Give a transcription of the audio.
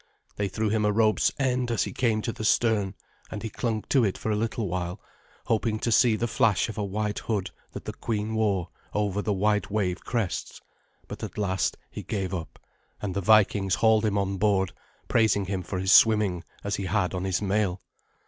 They threw him a rope's end as he came to the stern, and he clung to it for a little while, hoping to see the flash of a white hood that the queen wore, over the white wave crests: but at last he gave up, and the Vikings hauled him on board, praising him for his swimming, as he had on his mail.